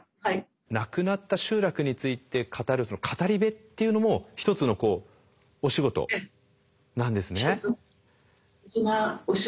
なくなった集落について語る語り部っていうのも一つのお仕事なんですね。